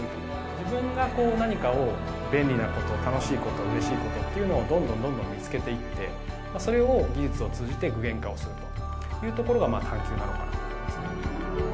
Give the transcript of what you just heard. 自分が何かを便利なこと楽しいことうれしいことっていうのをどんどんどんどん見つけていってそれを技術を通じて具現化をするというところが探究なのかなと思いますね。